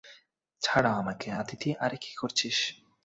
ছাড় আমাকে, - আদিতি, আরে কি করছিস?